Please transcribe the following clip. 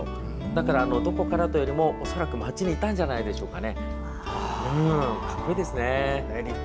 だから、どこからというより恐らく街にいたんじゃないでしょうか。